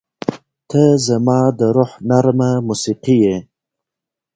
• ته زما د روح نرمه موسیقي یې.